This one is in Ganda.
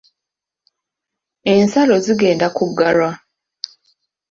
Ensalo zigenda kuggalwa.